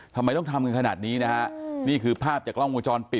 ทำไมต้องทำขนาดนี้นะฮะนี่คือภาพจากล่องมุมจร